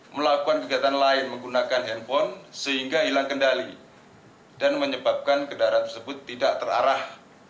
melakukan kegiatan lain menggunakan handphone sehingga hilang kendali dan menyebabkan kendaraan tersebut tidak terarah